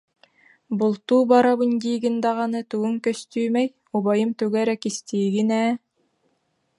Бултуу барабын диигин даҕаны тугуҥ көстүүмэй, убайым тугу эрэ кистиигин ээ